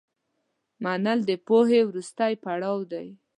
منل د پوهې وروستی پړاو دی.